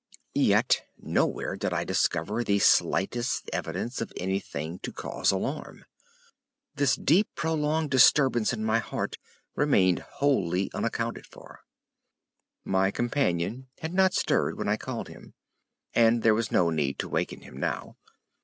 Yet nowhere did I discover the slightest evidence of anything to cause alarm. This deep, prolonged disturbance in my heart remained wholly unaccounted for. My companion had not stirred when I called him, and there was no need to waken him now.